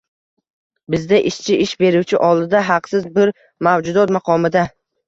– bizda ishchi ish beruvchi oldida haqsiz bir mavjudot maqomida.